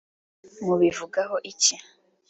mubivugaho iki